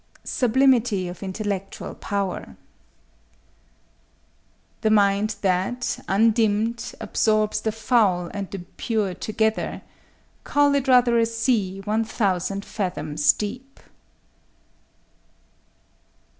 _ SUBLIMITY OF INTELLECTUAL POWER _The mind that, undimmed, absorbs the foul and the pure together— Call it rather a sea one thousand fathoms deep!